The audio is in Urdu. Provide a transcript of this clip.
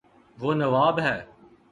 وہ نواب ہے